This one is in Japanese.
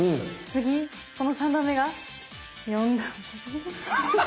次この３段目が４段目。